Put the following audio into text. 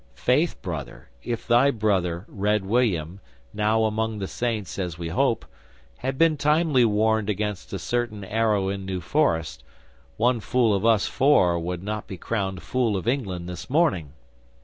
'Faith, Brother, if thy Brother, Red William, now among the Saints as we hope, had been timely warned against a certain arrow in New Forest, one fool of us four would not be crowned fool of England this morning.